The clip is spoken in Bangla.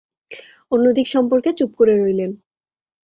অন্য দিক সম্পর্কে চুপ করে রইলেন।